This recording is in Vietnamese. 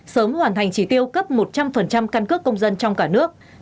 sớm hoàn thành chỉ tiêu cấp một trăm linh căn cước công dân trong cả nước